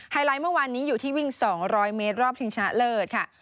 ไลท์เมื่อวานนี้อยู่ที่วิ่ง๒๐๐เมตรรอบชิงชนะเลิศค่ะ